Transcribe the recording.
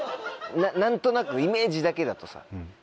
なんとなくイメージだけだとさ